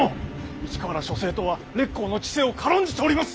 市川ら諸生党は烈公の治世を軽んじております！